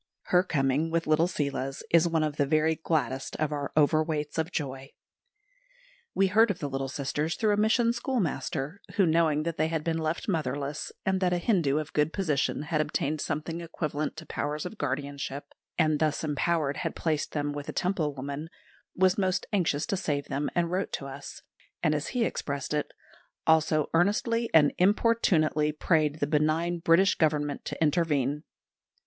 Her coming, with little Seela's, is one of the very gladdest of our Overweights of Joy. We heard of the little sisters through a mission schoolmaster, who knowing that they had been left motherless, and that a Hindu of good position had obtained something equivalent to powers of guardianship, and thus empowered had placed them with a Temple woman was most anxious to save them, and wrote to us; and, as he expressed it, "also earnestly and importunately prayed the benign British Government to intervene."